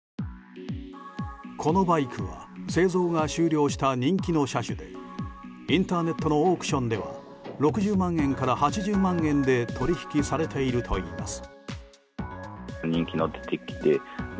このバイクは製造が終了した人気の車種でインターネットのオークションでは６０万円から８０万円で取引されているといいます。